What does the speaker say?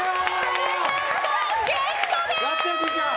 プレゼント、ゲットです！